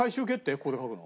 ここで書くの。